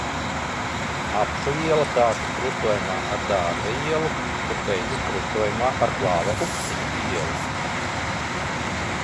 Apšu iela sākas krustojumā ar Dārza ielu, bet beidzas krustojumā ar Klāva Ukstiņa ielu.